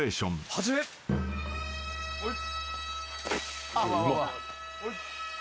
はい。